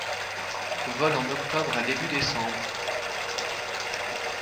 Vol en octobre à début décembre.